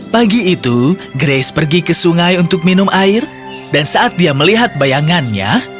pagi itu grace pergi ke sungai untuk minum air dan saat dia melihat bayangannya